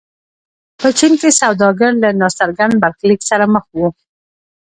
په چین کې سوداګر له ناڅرګند برخلیک سره مخ وو.